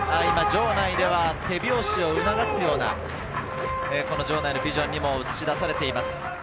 場内では手拍子を促すような場内のビジョンにも映し出されています。